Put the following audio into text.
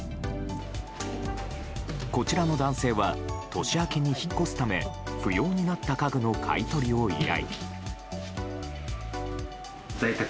こちらの男性は年明けに引っ越すため不要になった家具の買い取りを依頼。